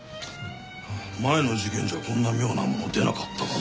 前の事件ではこんな妙なもの出なかったがな。